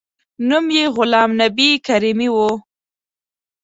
نوم یې غلام نبي کریمي و.